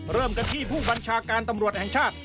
เริ่มกันที่ผู้บัญชาการตำรวจแห่งชาติ